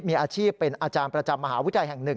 มีอาชีพเป็นอาจารย์ประจำมหาวิทยาลัยแห่ง๑